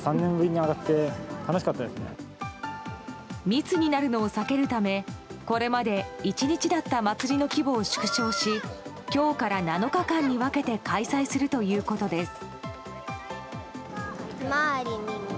密になるのを避けるためこれまで１日だった祭りの規模を縮小し今日から７日間に分けて開催するということです。